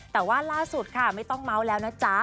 แต่ว่าล่าสุดค่ะไม่ต้องเมาส์แล้วนะจ๊ะ